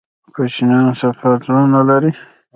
کوچنیان صفا زړونه لري